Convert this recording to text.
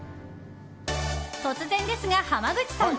突然ですが、濱口さん！